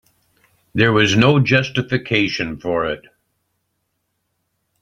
There was no justification for it.